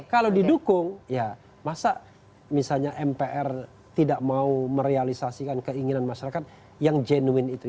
kalau didukung ya masa misalnya mpr tidak mau merealisasikan keinginan masyarakat yang jenuin itu